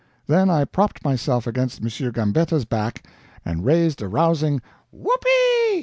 Then I propped myself against M. Gambetta's back, and raised a rousing "Whoop ee!"